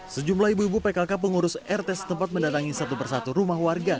sejumlah ibu ibu pkk pengurus rt setempat mendatangi satu persatu rumah warga